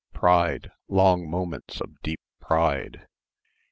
pride, long moments of deep pride....